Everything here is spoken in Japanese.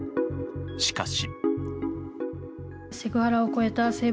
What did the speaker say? しかし。